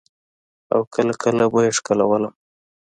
او کله کله به يې ښکلولم.